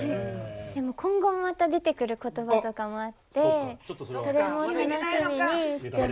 でも今後もまた出てくる言葉とかもあってそれも楽しみにしてますし。